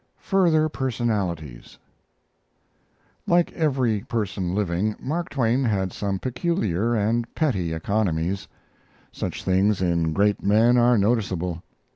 FURTHER PERSONALITIES Like every person living, Mark Twain had some peculiar and petty economies. Such things in great men are noticeable.